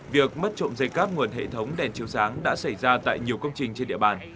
việc mất trộm dây cáp nguồn hệ thống đèn chiếu sáng đã xảy ra tại nhiều công trình trên địa bàn